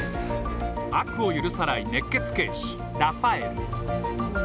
悪を許さない熱血警視ラファエル。